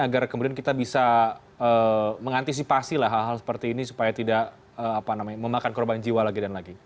agar kemudian kita bisa mengantisipasi lah hal hal seperti ini supaya tidak memakan korban jiwa lagi dan lagi